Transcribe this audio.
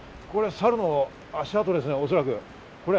サルの足跡ですね、おそらくこれ。